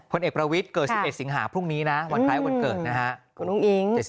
ผลเอกประวิทย์เกิด๑๑สิงหาพรุ่งนี้นะวันคล้ายวันเกิดนะฮะคุณอุ้งอิ๊ง